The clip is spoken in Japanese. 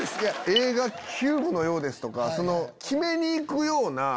「映画『ＣＵＢＥ』のようです」とかキメに行くような。